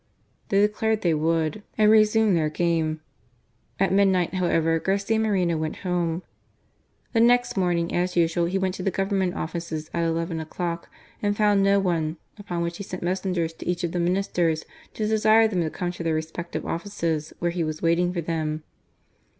They .' declared they would, and resumed their game. At ' jnidnight, however, Garcia Moreno went home^ vi The next morning, as usual, he went to the Govem inent offices at eleven o'clock and found no one^ ; upon which he sent messengers to each of the "Ministers to desire them to come to their respective 1 offices, where he was waiting for them.